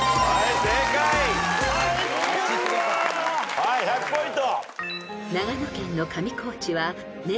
はい１００ポイント。